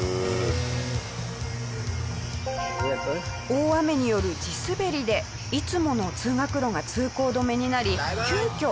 大雨による地滑りでいつもの通学路が通行止めになり急きょ